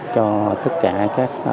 cho tất cả các